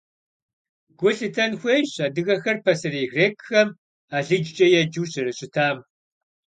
Гу лъытэн хуейщ адыгэхэр пасэрей грекхэм алыджкӀэ еджэу зэрыщытам.